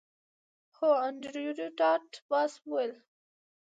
هو انډریو ډاټ باس وویل